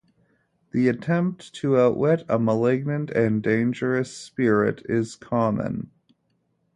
The attempt to outwit a malignant and dangerous spirit is common.